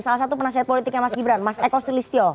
salah satu penasehat politiknya mas gibran mas eko sulistyo